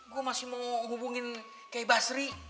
gue masih mau hubungin kayak basri